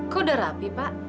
kok udah rapi pak